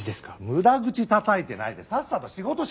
無駄口たたいてないでさっさと仕事しろ！